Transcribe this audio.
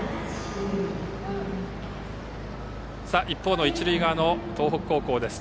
一方の一塁側の東北高校です。